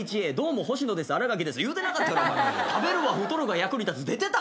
「食べるは太るが役に立つ」出てたかお前。